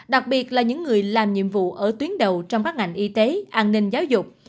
đặc biệt là những người làm nhiệm vụ ở tuyến đầu trong các ngành y tế an ninh giáo dục